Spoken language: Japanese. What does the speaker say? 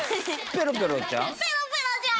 ペロペロちゃん！